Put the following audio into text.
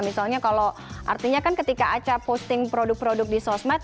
misalnya kalau artinya kan ketika aca posting produk produk di sosmed